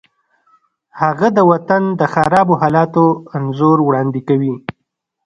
هغه د وطن د خرابو حالاتو انځور وړاندې کوي